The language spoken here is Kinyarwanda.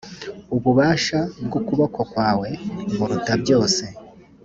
ububasha bw’ukuboko kwawe buruta byose.